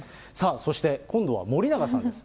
そして今度は森永さんです。